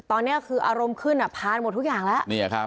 ตอนนี้คืออารมณ์ขึ้นพานหมดทุกอย่างแล้ว